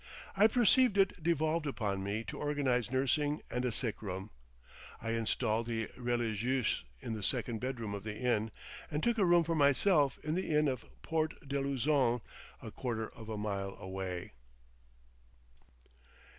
I perceived it devolved upon me to organise nursing and a sick room. I installed a religieuse in the second bedroom of the inn, and took a room for myself in the inn of Port de Luzon, a quarter of a mile away.